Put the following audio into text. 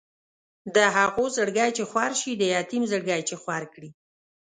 د هغو زړګی چې خور شي د یتیم زړګی چې خور کړي.